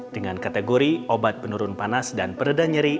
dengan kategori obat penurun panas dan peredah nyeri